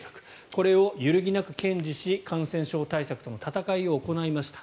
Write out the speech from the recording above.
これを揺るぎなく堅持し感染症対策との闘いを行いました。